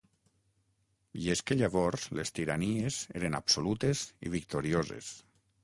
I és que llavors les tiranies eren absolutes i victorioses.